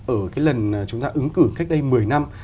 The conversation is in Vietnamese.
ở cái lần chúng ta ứng cử cách đây một mươi năm